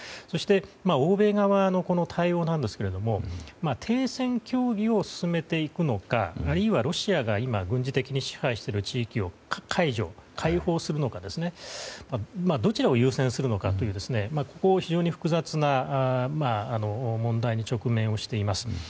そして、欧米側の対応ですが停戦協議を進めていくのかあるいはロシアが今、軍事的に支配している地域を解放するのかどちらを優先するのかというここは非常に複雑な問題に直面をしています。